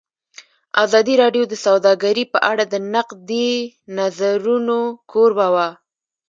ازادي راډیو د سوداګري په اړه د نقدي نظرونو کوربه وه.